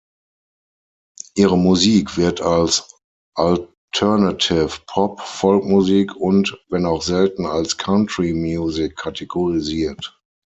Ihre Musik wird als Alternative-Pop, Folkmusik und, wenn auch selten, als Country-Musik kategorisiert.